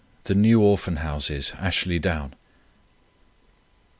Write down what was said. THE NEW ORPHAN HOUSES, ASHLEY DOWN.